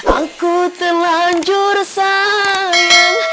aku telanjur sayang